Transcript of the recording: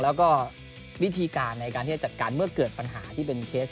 แล้วก็วิธีการในการที่จะจัดการเมื่อเกิดปัญหาที่เป็นเคส